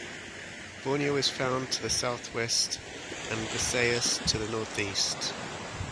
Borneo is found to the southwest and Visayas to the northeast.